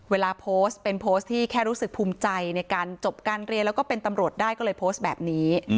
เวลาโพสต์เป็นโพสต์ที่แค่รู้สึกภูมิใจในการจบการเรียนแล้วก็เป็นตำรวจได้ก็เลยโพสต์แบบนี้